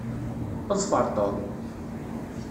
Ḍfeṛ Tom!